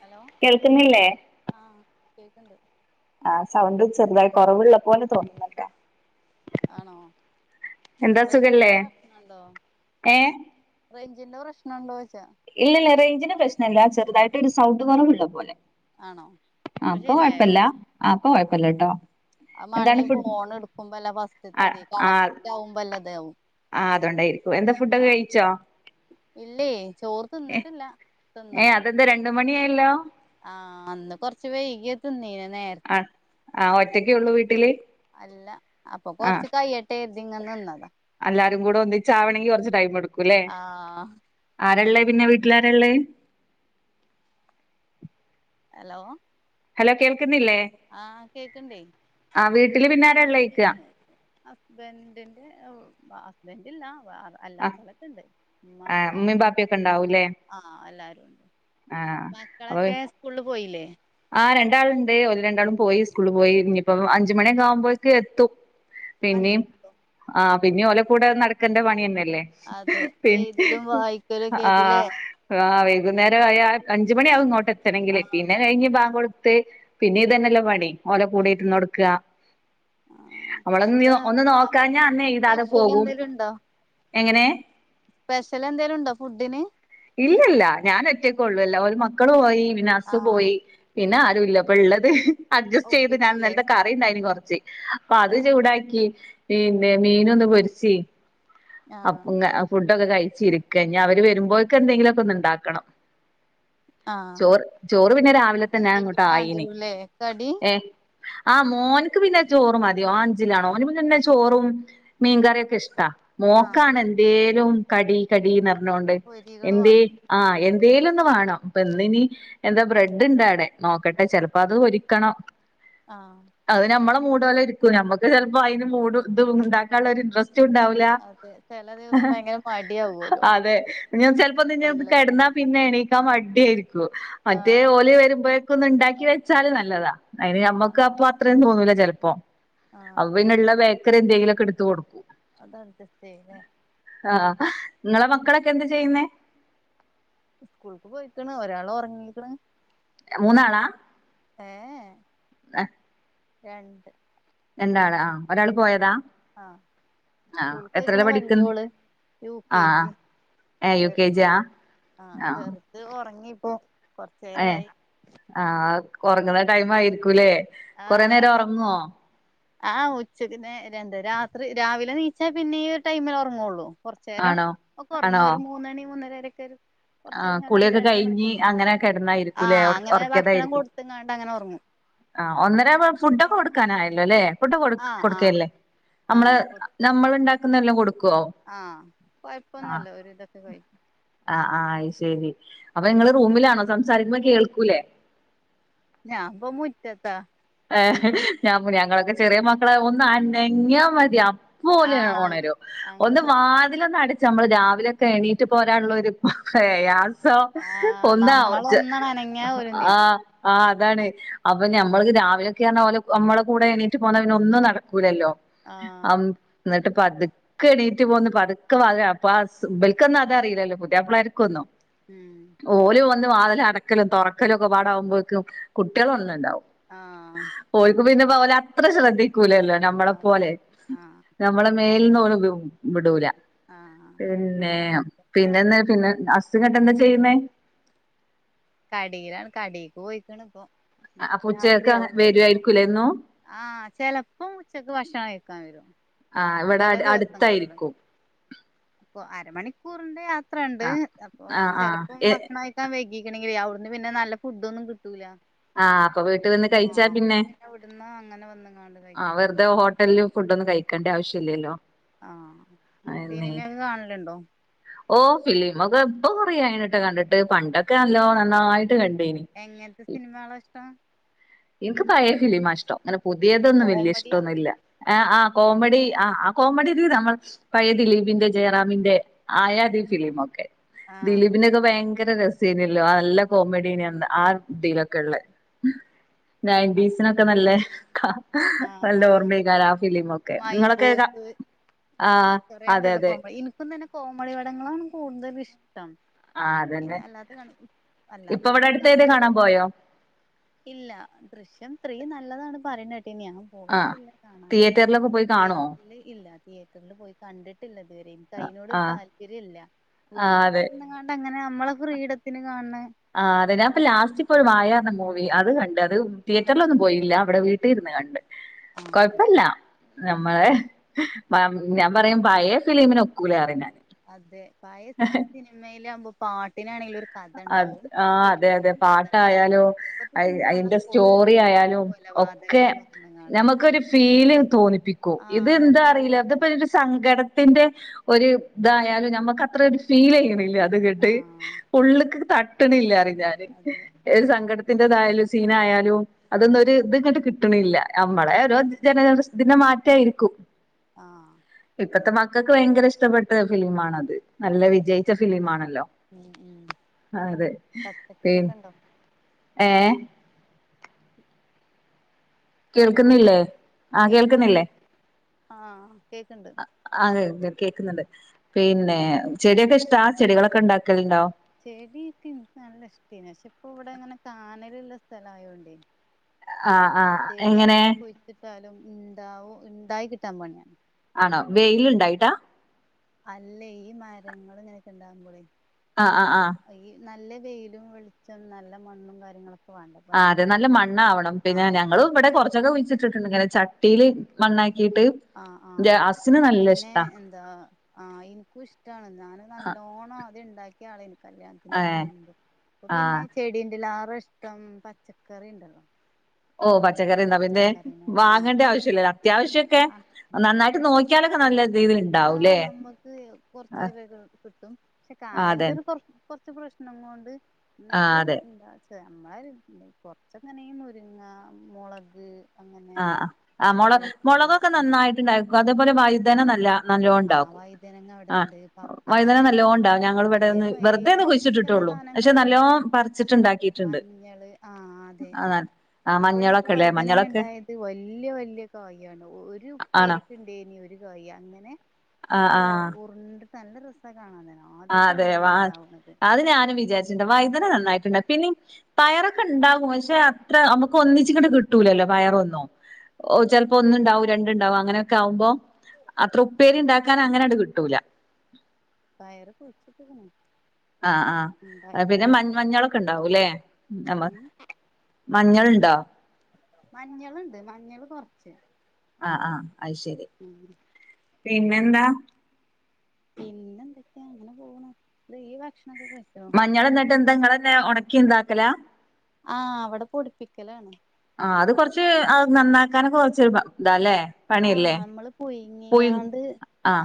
Hello കേൾക്കുന്നില്ലേ ആഹ് കേക്ക്ണ്ട് ആഹ് സൗണ്ട് ചെറുതായി കൊറവുള്ളപ്പോലെ തോന്നുന്നുട്ടെ ആണോ എന്താ സുഖല്ലേ റേഞ്ചിന്റെ പ്രശ്നണ്ടോ ഏ റേഞ്ചിന്റെ പ്രശ്നണ്ടോചോയ്ച്ചാ ഇല്ലില്ല റേഞ്ചിന്റെ പ്രശ്നല്ല ചെറുതായിട്ട് ഒരു സൗണ്ട് കൊറവുള്ള പോലെ ആണോ ആഹ് ഇപ്പൊ അപ്പൊ ശരിയായോ കൊഴപ്പില്ല അപ്പൊ കൊഴപ്പില്ലട്ടോ [unintelligible] ഫോണെടുക്കുമ്പോല്ല ആ ഫസ്റ്റത്തെതെ കണക്റ്റാകുമ്പോല്ല താവും ആഹ് അതൊണ്ടായിരിക്കും എന്താ ഫു‌ഡോക്കെകഴിച്ചോ ഇല്ലേ ചോറ് തിന്ന്ട്ടില്ല ഏ തിന്നണം അതെന്താ രണ്ട് മണിയായല്ലോ ആഹ് അന്ന് കൊർച്ച് വൈകിയ തിന്നിരുന്നെ ആഹ് ആഹ് ഒറ്റക്കേയൊള്ളൂ വീട്ടില് അല്ല അപ്പൊ കൊർച്ച്കയ്യട്ടെ കര്തി ഇങ്ങനിന്നതാ അല്ലാരും കൂടെ ഒന്നിച്ച് ആവണങ്കി കൊർച്ച് ടൈംഎടുക്കുല്ലേ ആഹ് ആരള്ളേ പിന്നെ വീട്ടിലാരള്ളേ ഹലോ ഹലോ കേൾക്കുന്നില്ലേ ആഹ് കേക്ക്ണ്ടേ ആ വീട്ടില് പിന്നെ ആരാള്ളേയ്ക്ക വീട്ടില് ഹസ്ബൻഡിന്റെ ആഹ് ഹസ്ബന്റില്ല [unintelligible] ആ അല്ലാത്തോലക്ക്ണ്ട് ഉമ്മ ഉപ്പ ആഹ് ഉമ്മയും ബാപ്പയൊക്കെ നാത്തൂൻ ഉണ്ടാവൂല്ലേ ആഹ് ആഹ് എല്ലാരും ഉണ്ട് ആഹ് അപ്പൊ മക്കളൊക്കെ സ്കൂളി പോയില്ലേ ആഹ് രണ്ടാളുണ്ട് ഓര് രണ്ടാളും പോയി സ്കൂള്പോയി ഇനിയിപ്പോ അഞ്ച്മണിയൊക്കെ ആകുമ്പോക്ക് എത്തും പിന്നെയും അഞ്ചരക്കോ ആഹ് പിന്നെയും ഓല കൂടെ നടക്കേണ്ട പണിയന്നെല്ലേ അതെ ഏഹ് പിന്നെ എഴുതലും വായിക്കലും ഒക്കെ ആയിട്ടില്ലേ ആഹ് ആഹ് വൈകുന്നേരംആയാ അഞ്ചുമണിയാവും ഇങ്ങോട്ടെത്തണെങ്കില് പിന്നെ ആഹ് ഇഞ്ഞി ആഹ് ബാങ്കോട്ത്ത് പിന്നെ ഇതന്നെല്ലെ പണിഓലെകൂടെ ആഹ് ഇര്ന്നൊട്ക്കാ ആഹ് അമ്മളൊന്ന് എന്താ ഒന്ന് നോക്കാഞ്ഞാ ഭക്ഷണത്തിന് അന്നെയ്താതെ സ്പെഷ്യൽ പോകും എന്തേലും എങ്ങനെ പെഷലെന്തെലുംണ്ടോ ഫുഡിന് ഇല്ലല്ല ഞാനോറ്റക്കോള്ളല്ലോ ഒരു മക്കള് പോയി പിന്ന ഹസ്സ് ആഹ് പോയി പിന്നെ ആരുല്ല ഇപ്പൊള്ളത് അഡ്ജസ്റ്റ്യ്ത് ഒപ്പിക്കൂലേ ഞാൻന്നൽത്തെ കറിണ്ടയിന് കൊർച്ച് അപ്പൊ അത് ആഹ് ചൂടാക്കി പിന്നെ മീനൊന്ന് പൊര്ച്ച് ആഹ് അപ്പോ ങ്ങ ഫുഡൊക്കെകഴിച്ചിരിക്ക ഇഞ് അവര് വരുമ്പോഴക്ക് എന്തെങ്കിലൊക്കോന്ന്ണ്ടാക്കണം ആഹ് ചോറ് ചോറ് പിന്നെ രാവിലെ തന്നാ എന്തെങ്കിലും അങ്ങോട്ടായീന് വാണ്ടിവരൂല്ലേ കടി ഏഹ് ആഹ് മോൻക്ക് പിന്നെ ചോറ് മതി ഓൻ അഞ്ചിലാണ് ഓന് പിന്നെചോറും മീങ്കറിയൊക്കെഷ്ട്ടാ ആഹ് മോക്കാണ് എന്തേലും കടീ കടീന്നർന്നോണ്ട് പൊരികള് എന്തേ വാണ്ടി ആഹ് എന്തേലൊന്ന് വേണം അപ്പോ ഇന്ന് ഇനി എന്താബ്രെഡ്ണ്ടാടെ നോക്കട്ടെ ചെലപ്പോത് ഒരിക്കണം ആഹ് അഹ് നമ്മടെ മൂടോലെരിക്കും ഞമ്മക്ക് ചെൽപ്പോ അതിന് മൂഡ് ഇത്ണ്ടാക്കാനുള്ള ഒരു ഇൻ്ററസ്റ്റ്ണ്ടാവും ലാ അതെ ചെല ദിവസം ഭയങ്കര മടിയാവോലോ അതെ ഞാ ചെൽ പിന്നെ ഒന്നു കെടന്നാ എല്ലത്തിനും പിന്നെ എണീക്കാ മടിയായിരിക്കും മറ്റേ ആഹ് ഓല് വരുമ്പോ ക്കുന്നുണ്ടാക്കി വെച്ചാല് നല്ലതാ അതിന് ആഹ് നമ്മക്ക് ആഹ് അപ്പൊ അത്രെ യും തോന്നൂല ചെൽപ്പോ ആഹ് അപ്പൊപിന്നെള്ള ബേക്കറി എന്തെങ്കിലൊക്കെ എടുത്ത് കൊടുക്കും അത് അഡ്ജസ്റ്റെയുല്ലേ ആഹ് അഹ് ഇങ്ങളെ മക്കളൊക്കെ എന്താ ചെയ്യുന്നേ സ്കൂൾക്ക് പോയിക്ക്ണ് ഒരാളൊറങ്ങീക്ക്ണ് ആഹ് മൂന്നാളാ ഏഹ് ആഹ് രണ്ട് രണ്ടാള് ആഹാ ഒരാള് പോയതാ ആഹ് ആഹ് സ്കൂൾ പോയിക്കണ എത്രയിലാ പഠിക്കുന്ന് വലിയോള് യു കെ ആഹ് ജി ഏഹ് യു കെ ജി യാ ചെറിയത് ആഹ് ചെറുത് ഒറങ്ങിപ്പോ കൊറച്ചു ഏഹ് നേരായി ആഹ് ഒറങ്ങുന്ന ടൈം ആയിരിക്കൂല്ലേ കൊറേ നേരം ആഹ് ഒറങ്ങുവോ ആഹ് ഉച്ചക്ക് നേ ര ന്ത് രാത്രി രാവിലെ എനീച്ചാൽ പിന്നെ ഈ ഒരു ടൈമിൽ ഒറങ്ങുവൊള്ളൂ കൊറച്ചേരം ആണോ ഒക്കെ ഒറങ്ങും ആണോ ഒരു മൂന്നണി മൂന്നരരൊക്കെ ഒരു കൊറച്ചേരം ആഹ് ഇങ്ങനെ രണ്ട് കുളിയൊക്കെ രണ്ടര കഴിഞ്ഞ് മണിക്കൂറൊക്കെ അങ്ങനെ കെടന്നായിരിക്കുംല്ലെ ആഹ് ഒറ അങ്ങനെ ഭക്ഷണം ഒറക്കിയതായിരിക്കും കൊടുത്ത്ങ്ങാണ്ട് അങ്ങനെ ഒറങ്ങും ആഹ് ഒന്നര ആവുമ്പം ഫുഡൊക്കെ കൊടുക്കാനായല്ലോ അല്ലേ ഫുഡ് കൊ ആഹ് ആഹ് കൊടുക്കല്ലേ നമ്മള് ആഹ് കൊ നമ്മള് ഇണ്ടാക്കുന്നെല്ലാം കൊടുക്കും ആഹ് കൊഴപ്പൊന്നുമല്ല ഓര് ഇതൊക്കെ കഴിക്കും ആഹ് ആഹ് ശരി അപ്പൊ നിങ്ങള് റൂമിലാണോ സംസാരിക്കുമ്പോ കേൾക്കൂലേ ഞാപ്പം മുറ്റത്താ ഏഹ് ഞാൻ ഞങ്ങളൊക്കെ ചെറിയ മക്കളെ ഒന്ന് അനങ്ങിയാമതിയ അപ്പോല് ആഹ് ഒണരും ഒന്ന് അങ്ങനെ വാതിലൊന്നട ച്ചു നമ്മള് രാവിലെക്കെ എണീട്ട് പോരാനുള്ള ഒരു ഏഹ് ആഹ് രാവിലെ നമ്മളൊന്നണനങ്ങിയ [unintelligible] ഓര് നീച്ചും ആഹ് ആഹ് അതാണ് അപ്പൊ ഞമ്മൾക്ക് രാ [unintelligible] ഓല് നമ്മളെ കൂടെ എണീറ്റു പോന്നപിന്നെ ഒന്നും നടക്കൂലല്ലോ ആഹ് എന്നിട്ട് പതു ക്ക് എണീറ്റ് പോന്ന് പതുക്കെ വാതിൽ ആസ് ഇബൽക്കൊന്നും അതറിയിലല്ലോ പുതിയപ്പളാരിക്കൊന്നും ഉം ഓലു വന്ന് വാതില അടക്കലും തുറക്കലും ഒക്കെ പാടകുമ്പോഴേക്കും കുട്ടികള ഒന്നും ഉണ്ടാവും ആഹ് പോയിക്കും പിന്നെ അവർ അത്ര ശ്രദ്ധിക്കൂലല്ലോ അതെ നമ്മളെപ്പോലെ ആഹ് നമ്മളെ മേലിന്നോളു വ് വിടൂല ആഹ് പിന്നെ പിന്നെ പിന്നന്താ പിന്നെ അസ് [unintelligible] ന്നട്ടന്താ ചെയ്യുന്നേ കടയിലാണ് കടക്ക് പോയിക്കണ ഇപ്പ അപ്പൊ ഉച്ചക്ക് രാത്രിയാകും വരുമ്പോ വരുവായിരിക്കൂലേ എന്നും ആഹ് ചെലപ്പം ഉച്ചക്ക് ഭക്ഷണം കഴിക്കാൻ വരും ആഹ് ഇവിടെ ചെല ദിവസങ്ങളില് അടുത്തായിരിക്കും അപ്പൊ അരമണിക്കൂറിന്റെ യാത്രണ്ട് ആഹ് അപ്പൊ ആഹ് ആഹ് ചിലപ്പം എ ഭക്ഷണം കയി ക്കാൻ വൈകീക്കണെങ്ക അവിടുന്ന് പിന്നെ നല്ല ഫുഡ് ഒന്നും കിട്ടൂല്ല ആഹ് അപ്പൊ വീട്ടിൽ വന്ന് കഴിച്ചാ പിന്നെ ഇവിടുന്ന് അങ്ങനെ വന്നങ്ങാണ്ട് കഴിച്ചു ആഹ് പോകും വെറുതെ വല്ല്യ ഫുഡൊന്നും കഴിക്കേണ്ട ആവശ്യല്ലല്ലോ ആഹ് സിനിമക്കെ കാണലുണ്ടോ ഓ ഫിലിമക്കെ ഇപ്പൊ കൊറായായിട്ട് കണ്ടിട്ട് പണ്ടൊക്കെ നല്ലോ നന്നായിട്ട് കണ്ടേനി സിനിമാള് ഇഷ്ടാ ഇനിക്ക് പയേ ഫിലീമാ ഇഷ്ടം അങ്ങനെ പുതിയതൊന്നും വല്ല്യ കോമഡിയാ ഇഷ്ടൊന്നുല്ല ആ ആ കോമഡി ആ ആ കോമഡി രീതി നമ്മൾ പയെ ദിലീപിന്റെ ജയറാമിന്റെ ആയാതി ഫിലിമക്കെ ആഹ് ദിലീപിനൊക്കെ ഭയങ്കര രസേനല്ലോ ആ നല്ല കോമഡീന ആ ഇതിയിലൊക്കെള്ള ആഹ് നയന്റ്റീസിനൊക്കെ നല്ല ആഹ് നല്ല ആഹ് ഓർമ്മേക്കാര ആ ഫിലിമക്കെ മൈ ബോസ് അതെ കൊറേണ്ടല്ലോ അതെ കോമ ഇനിക്കും തന്നെ കോമഡി പടങ്ങളാണ് കൂടുതലുഷ്ടം ആ അതന്നെ ഇപ്പ ഇവിടെ അല്ലാത്തതൊക്കെ അടുത്ത് ഏത കാണും കാണാൻ പോയോ ഇല്ല ദൃശ്യം ത്രീ നല്ലതാണ് പറയുന്ന കേട്ടീന് ആഹ് പോയിട്ടില്ല കാണാൻ തിയേറ്ററിലൊക്കെ പിന്ന പോയി കാണോ തിയേറ്ററിില് ഇല്ല തിയേറ്ററിൽ പോയി കണ്ടിട്ടില്ല ഇതുവരെ അയിനോട് ആഹ് താല്പര്യ ല്ല്യ ആഹ് വീട്ടിലിരുുന്നാണ്ട് അങ്ങനെ നമ്മളെ ഫ്രിഡത്തിന് കാണണ ആ് അതെ ഞാൻപ്പൊ ലാസ്റ്റ് ഇപ്പോഴും വായർന്ന മൂവി അത് കണ്ട് അത് ആഹ് തിയേറ്ററിലൊന്നും പോയില്ല ഇവിടെ വീട്ടിലിരുന്ന് കണ്ട് ആഹ് ആഹ് കൊഴപ്പില്ല ആഹ് നഞമ്മളെ [unintelligible] ഞാൻ പറയും പയേ ഫിലിമിനൊക്കുലാ പറയും ഞാൻ അതെ പയെ സിനിമയിലാകുമ്പോ പാട്ടിനാണെങ്കിലും ഒരു കഥ ആഹ് ഉണ്ടാവും ആഹ് അതെ അതെ തിരുപ്പതിനും കഥ ഉണ്ടാവും പാട്ടായാലും ഇപ്പത്തെ അയി സിനിമ പറഞ്ഞാ അയിന്റെ കൊള്ള സ്റ്റോറി ആയാലും ഒക്കെ കൊലപാതകം പറഞ്ഞ്ങ്ങാണ്ട് നമുക്കൊരു ഫീല് തോന്നിപ്പിക്കും ഇത് ആഹ് എന്താ പീരി അറിയില്ല ഇട്ടു അതപ്പ സങ്കടത്തിന്റെ ഒരു ഇതായാലും നമക്ക് അത്ര ഒരു ഫീൽ ചെയ്യണില്ല അത് കേട്ട് ആഹ് ഉള്ള്ക്ക് തട്ട്നില്ലാ പറയും ഞാൻ അതെ ഒരു സങ്കടത്തിൻ്റെതായാലും സീനായാലും അതൊന്നും ഒരു ഇത് ഇങ്ങട്ട് കിട്ടണില്ല നമ്മളെ ഓരോ ജനറേഷൻ്റെ മാറ്റായിരിക്കും ആഹ് ഇപ്പത്തെ മക്കൾക്ക് ഭയങ്കര ഇഷ്ടപ്പെട്ട ഫിലിമാണത് നല്ല ആഹ് വിജയിച്ച ഫിലിമാണല്ലോ ഉം ഉം അതെ പച്ചക്കറിയൊക്കെ ഉണ്ടോ പിൻഏഹ് ഉം കേൾക്കുന്നില്ലേ ആഹ് കേക്കണില്ലേ കേൾക്കുന്നില്ലേ ആഹ് കേക്കണ്ട് ആഹ് കേൾക്കുന്നുണ്ട് പിന്നെ ചെടിയൊക്കെ ഇഷ്ടാ ചെടികളൊക്കെ ഉണ്ടാക്കലുണ്ടോ ചെടിയിക്ക് നിക്ക് നല്ല ഇഷ്ടേന്നു പക്ഷെ ഇപ്പ ഇവിടെ ഇങ്ങനെ കാനല്ള്ള സ്ഥലം ആയോണ്ടേ ആ ആ ചെടി എങ്ങനെ നമ്മൾ കുയിച്ചിട്ടാലും ഇണ്ടാവും ഇണ്ടായി കിട്ടാൻ പണിയാണ് ആണോ വെയില്ണ്ടായിട്ടാ അല്ലെ ഈ മരങ്ങൾ ഇങ്ങനെ ഇണ്ടാവുമ്പോളെ ആഹ് ആഹ് ആഹ് ഈ നല്ല വെയിലും വെളിച്ചം നല്ല മണ്ണും കാര്യങ്ങളൊക്കെ വേണ്ട അപ്പൊ ആഹ് അയിന് അതെ നല്ല മണ്ണ ആവണം പിന്നെ ആഹ് ഞങ്ങള് ഇവിടെ കുറച്ചൊക്കെ കുയിച്ചിട്ടിട്ടുണ്ട് ഇങ്ങനെ ചട്ടിയില് മണ്ണാക്കിയിട്ട് ആഹ് എന്റെ ആഹ് ഹസ്സിന് നല്ല പിന്നെ ഇഷ്ടാ ആഹ് ആഹ് ഇനിക്കും ഇഷ്ടമാണ് ഞാൻ നല്ലോണം ആദ്യം ഇണ്ടാക്കിയ ആളാണ് ഏ കല്യാണത്തിൻ്റെയോക്കെ മുമ്പ് അപ്പൊ ആ പിന്നെ ചെടിൻറെല്ലാറും ഇഷ്ടം പച്ചക്കറി ഇണ്ടല്ലോ ഓഹ് പച്ചക്കറി എന്താ പിന്നെ ആഹ് വാങ്ങേണ്ട ആവശ്യല്ല അത്യാവശ്യമൊക്കെ ആഹ് നന്നായിട്ട് നോക്കി ക്കിയാല്‌തൊക നല്ല തേന്ന് ആഹ് നമ്മക്ക് കൊർച് പേരെക്കെ കിട്ടും പക്ഷെ ആ അതെ കാനൽൻ്റൊരു [unintelligible] കൊർച്ച് പ്രശ്നം കൊണ്ട് ആ ന്നാലും അതെ എന്താ നമ്മള [unintelligible] കൊർച്ച്ങ്ങനേ ഈ മുരിങ്ങ മൊളക് ആഹ് ആഹ് മൊള മൊളകൊക്കെ മത്തന് നന്നായിട്ട്ണ്ടായിരിക്കും അത്പോലെ വഴുതന നല്ല ആ നല്ലോണ്ടാകും വൈതനങ്ങ ആഹ് അവിടെണ്ട് വഴുതന പപ്പായ നല്ലോണ്ടാക ഞങ്ങള് ഇവടെന്ന് അതേമാതിരി വെറുതെ ഒന്ന് [unintelligible] ച്ച് ചില കിട്ടിട്ടൊള്ളൂ പക്ഷെ സാധനങ്ങളൊക്കെ ഇങ്ങനെ നല്ലോണം പറിച്ചിട്ടുണ്ടാക്കിട്ടുണ്ട്. മഞ്ഞള് ആ അതെ അതാണ് ആഹ് മഞ്ഞളൊക്കെ ല്ലേ മഞ്ഞളൊക്കെ ത് വല്ല്യ വല്ല്യ കായി ആണ് ഒരു ആണോ ഉപ്പേരിക്ക് ഉണ്ടേനി ഒരു കായി അങ്ങനെ ആഹ് ഇത്ര ആഹ് ഉറിണ്ടിട്ട് നല്ല രസാ കാണാന് ആഹ് ആദ്യയിട്ട് അതെ ഇവടെ അങ്ങനെ വാ ഉണ്ടാവുന്നത് അത് ഞാനും വിചാരിച്ച് വഴുതന നന്നായിട്ടുണ്ട് പിന്നെ പയറൊക്കെ ഉണ്ടാവും പക്ഷെ അത്ര നമുക്ക് ഒന്നിച്ചിങ്ങട്ട് കിട്ടൂലല്ലോ പയറൊന്നും ചെൽപ്പോ ഒന്ന് ഉണ്ടാവും രണ്ട്ണ്ടാവും അങ്ങനെയൊക്കെ ആകുമ്പോ അത്ര ഉപ്പേരിണ്ടാക്കാൻ അങ്ങനെ അങ്ട്ട് കിട്ടൂല പയർ കുഴിച്ചിട്ട്ക്ക്ണ് ആഹ് ആഹ് പിന്നെ ഇണ്ടായിട്ടില്ല മഞ്ഞ മഞ്ഞളൊക്കെ ഉണ്ടാവൂല്ലേ നമ്മ ഉം മഞ്ഞള്ണ്ടോ മഞ്ഞള്ണ്ട് മഞ്ഞള് കൊർച്ച് ആഹ് ആഹ് അത് ശെരി ഉം പിന്നെന്താ പിന്നെ എന്തെക്കെ അങ്ങനെ പോണ് ഈ ഭക്ഷ മഞ്ഞള് എന്നട്ട് എന്താ ഇങ്ങളന്നെ ഒണക്കി ഇനക്കല ആഹ് അവടെ പൊടിപ്പിക്കലാണ് ആ അത് കൊർച്ച് നന്നാക്കാനൊക്കെ കൊർച്ച് ഇതാ ല്ലേ ആഹ് നമ്മള് പുയ്ങ്ങികാണ്ട്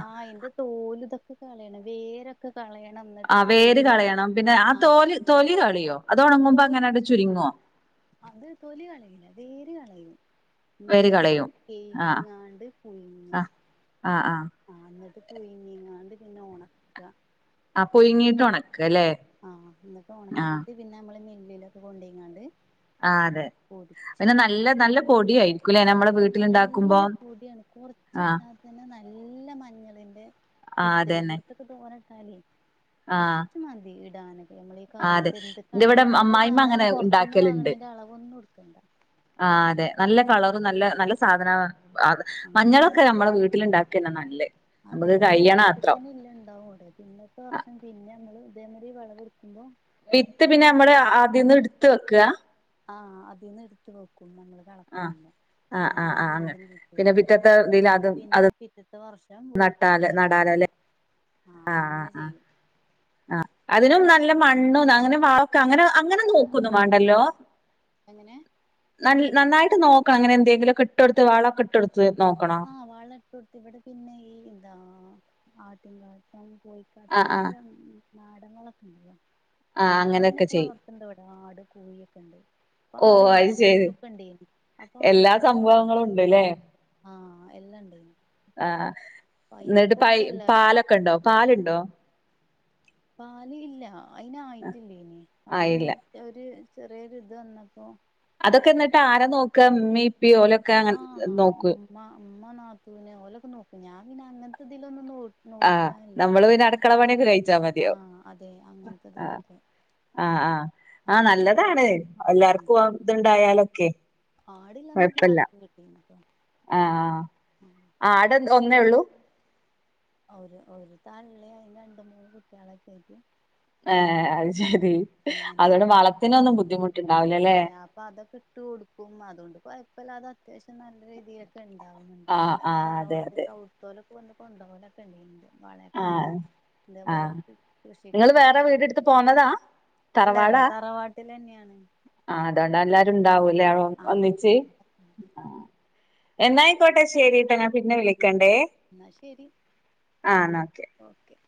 ആ അയ്ന്റെ തോല് ഇതൊക്കെ കളയണം വേരൊ ക്കെ കളയണം ന്നട്ട് ആ വേര് കളയണം പിന്നെ ആ തോല് തൊലി കളയോ അത് ഒണങ്ങുമ്പോ തോല് അങ്ങനെങ്ട്ട് ചുര്ങ്ങോ? അത് തൊലി കളീല്ല വേര് കളയും വേര് ന്നട്ട് കളയും ആഹ് കയ്കിങ്ങാണ്ട് പുയ്ങ്ങ ആഹ് ആഹ് ആഹ് ആ ന്നട്ട് പുയ്ങ്ങികാണ്ട് പിന്നെ ഒണക്ക ആഹ് പുയ്ങ്ങീട്ട് ഒണക്ക ല്ലേ ആഹ് ന്നട്ട് ഒണക്കീട്ട് പിന്നെ നമ്മള് മില്ലിലൊക്കെ കൊണ്ടയ്ങ്ങാണ്ട് ആഹ് അതെ പിന്നെ നല്ല നല്ല പൊടി ആയിരിക്കൂലേ നമ്മള് ആഹ് നല്ല പൊടിയാണ് കൊർച്ച് ആഹ് ഇട്ടാ തന്നെ നല്ല മഞ്ഞളിന്റെ ആഹ് അതന്നെ തോനട്ടാലേ ആഹ് കൊർച്ച് മതി ഇടാന് നമ്മള് ഈ ആ അതെ കറീക്ക് എന്റെ ഇവിടെ എന്ത്ക്കാണെങ്കിലും നമ്മള് അമ്മായിമ്മ അങ്ങനെ സാധാരണ പൊർത്ത്ന്ന് വാങ്ങ്ണീന്റെ അളവൊന്നും ഇട്ക്കണ്ട ആഹ് അതെ നല്ല കളറും നല്ല നല്ല സാധന [unintelligible] ആഹ് മഞ്ഞളൊക്കെ നമ്മളെ വീ ട്ടില് ഇണ്ടാക്കന്നെ നല്ല [unintelligible] അതെ ഒരു വർഷത്തിന് ഇല്ലെ ഇണ്ടാവും അവ്ടെ പിന്നെ [unintelligible] വർഷം പിന്നെ നമ്മള് ഇതേ മാതിരി വെളവ് ഇട്ക്കുമ്പോ വിത്ത് പിന്നെ നമ്മള് അത് ന്ന് ഇട്ത്ത് വെക്ക ആഹ് അതിന്ന് ഇട്ത്ത് വെക്കും ഞമ്മള് ആ എളക്കില്ല ആ പിന്നെ ആ അത് ആ അങ്ങനെ വീണ്ടും പിന്നെ [unintelligible] പിറ്റത്തെ ഇതിൽ അത് ഇന്നിട്ട് പിന്നെ പിറ്റത്തെ വർഷ് ഞാൻ വീട്ടും നട്ടാല് ഇതേ പോലെ നടാലല്ലേ തന്നെ ആഹ് അങ്ങനെ ചെയ്യും ആഹ് അതിനും നല്ല മണ്ണും അങ്ങനെ വളൊക്കെ അങ്ങനെ അങ്ങനെ നോക്കൊന്നും വാണ്ടല്ലോ എങ്ങനെ ന നന്നായിട്ട് നോക്കണം അങ്ങനെ എന്തെങ്കിലും ഒക്കെ ഇട്ടൊടുത്ത് വാളക്കെട്ടൊടുത്ത് നോക്കണോ ആഹ് വാള ഇട്ട് കൊടുത്ത് ഇവിടെ പിന്നെ ഈ എന്താ ആട്ടി കാട്ടം കോഴിക്കാട്ടം ആ ആ അങ്ങനത്തെ നാടങ്ങളൊക്കെ ഉണ്ടല്ലോ ആ അങ്ങനെയൊക്കെ അതിനൊക്കെ ചെയ്യും വളർത്തണ്ട് ഇവിടെ ആട് കോഴിയൊക്കെ ഉണ്ട് ഇപ്പൊ ഓ ആടില്ല അത് ശരി പശൊക്കെ ഉണ്ടേനിം അപ്പൊ എല്ലാ അയിറ്റന്റെ സംഭവങ്ങളും വളൊക്കെണ്ടാവും ഉണ്ട്ല്ലേ ആഹ് എല്ലണ്ടയ്നു ആഹ് എന്നിട്ട് പയ് ഇപ്പൊ പാലൊക്കെ ഇണ്ടോ പാലുണ്ടോ പാല് ഇല്ല അയിന് ആയിട്ടില്ലേനി ആ അപ്പൊ പിന്നെ ഇല്ല ഒരു ചെറിയൊരു ഇത് വന്നപ്പോ അതൊക്കെ എന്നിട്ട് ആര നോക്ക ഇമ്മീ ഇപ്പി ഓലെ ആഹ് ഉമ്മ ഇമ്മ നാത്തുന് ഓലൊക്കെ നോക്കും ഞാൻ പിന്നെ അങ്ങനത്തെ ഇതിലൊന്നും നോ ആ നോൽക്കാൻല്ല നമ്മള് നമ്മ പിന്നെ അടുക്കള കുട്ടികളും പണിയൊക്കെ കഴിച്ചാ മതിയാവും ആഹ് അതെ അങ്ങനത്തതിലൊക്കെ ആഹ് ആഹ് ആഹ് നല്ലതാണ് ഉം എല്ലാർക്കും ഇതുണ്ടായാലൊക്കെ ആടില്ലന്ന് പാലൊക്കെ കിട്ടീനിട്ടോ ആഹ് ആട് ഒന്നേ ഉള്ളൂ ഒരു ഒരു തള്ളയും അയ്ന് രണ്ട് മൂന്ന് കുട്ടികളൊക്കെ ആയിട്ട് ഏഹ് അഹ് ശെരി അങ്ങനെ അതുകോണ്ട് വളത്തിനൊന്നും ബുദ്ധിമുട്ട് ഇല്ല അപ്പൊ അതൊക്കെ ഇട്ട് കൊടുക്കും അതുകൊണ്ട് കുഴപ്പല്ലാതെ അത്യാവശ്യം നല്ല രീതിയി ഒക്കെ ഉണ്ടാവുന്നുണ്ട് ആ പിന്ന ആ അതെ അതെ തറവാട്ട്ക്ക്‌ അവിടുത്തോലൊക്കെ വന്ന് കൊണ്ടോവലൊക്കെ ഉണ്ട് ഇന്റെ ആഹ് ആഹ് നിങ്ങള് വേറെ വീടെടുത്ത് പോന്നതാ അല്ലല്ല തറവാട്ടിലെന്നെയാണ് ആഹ് അതാണ് എല്ലാരും ഇണ്ടാവൂലേ ആഹ് ഒന്നിച്ച് ആഹ് എന്നായിക്കോട്ടെ ശരിട്ടാ ഞാൻ പിന്നെ വിളിക്കണ്ടേ ന്നാ ശരി ആന്നാ ഓക്കെ ഓക്കെ.